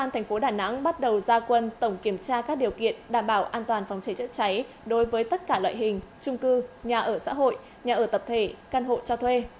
công an tp đà nẵng bắt đầu ra quân tổng kiểm tra các điều kiện đảm bảo an toàn phòng chế chất cháy đối với tất cả loại hình trung cư nhà ở xã hội nhà ở tập thể căn hộ cho thuê